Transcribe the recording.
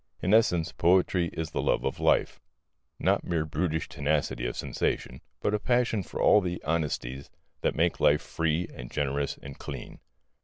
In essence, poetry is the love of life not mere brutish tenacity of sensation, but a passion for all the honesties that make life free and generous and clean.